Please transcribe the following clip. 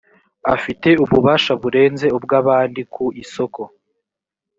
afite ububasha burenze ubw abandi ku isoko